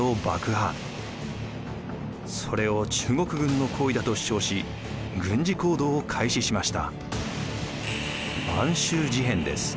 それを中国軍の行為だと主張し軍事行動を開始しました。